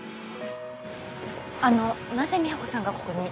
あのなぜ美保子さんがここに？